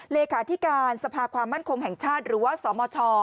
เลขาธิการสภาความมั่นคงแห่งชาติหรือว่าสมช